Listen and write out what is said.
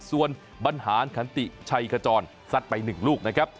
ส่วนบรรหารขันติชัยขจรซัดไป๑ลูกนะครับ